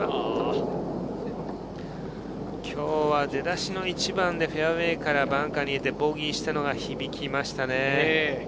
今日は出だしの１番でフェアウエーからバンカーに出てボギーしたのが響きましたね。